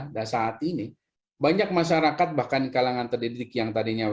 nah saat ini banyak masyarakat bahkan kalangan terdidik yang tadinya